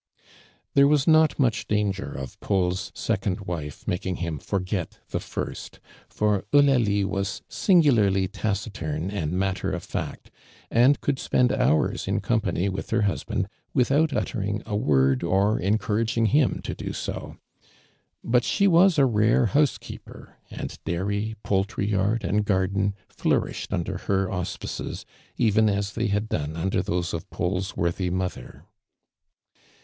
There was not much danger of Paul's econd wifeiuaUing him forget the first, for Eulalie was sin.milarly taciturn and matter of fiitt. and eonlil spend hours in company with ln r iiu b.iii<l without uttering a word or encouraging him to do so, But she wa."" a rare housekeeper, and dairy, poiiltiy yard and gartlen, flourished under her .ui j'.ice. even as they liaddone under thosi' of Taul' i worthy mother.